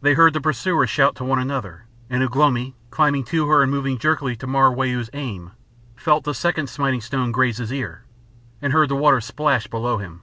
They heard the pursuers shout to one another, and Ugh lomi climbing to her and moving jerkily to mar Wau's aim, felt the second smiting stone graze his ear, and heard the water splash below him.